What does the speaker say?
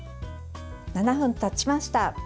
７分たちました。